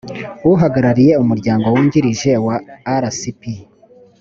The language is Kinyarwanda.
uhagarariye umuryango wungirije wa rcp